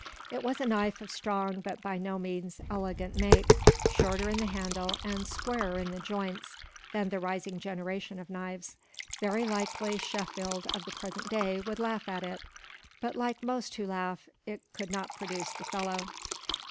It was a knife of strong but by no means elegant make, shorter in the handle, and squarer in the joints, than the rising generation of knives. Very likely Sheffield of the present day would laugh at it; but like most who laugh, it could not produce the fellow.